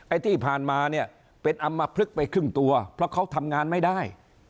ที่ผ่านมาเนี่ยเป็นอำมพลึกไปครึ่งตัวเพราะเขาทำงานไม่ได้